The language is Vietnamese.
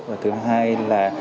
và thứ hai là